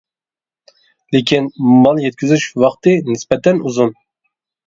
لېكىن مال يەتكۈزۈش ۋاقتى نىسبەتەن ئۇزۇن.